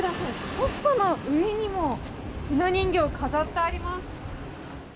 ポストの上にもひな人形が飾ってあります。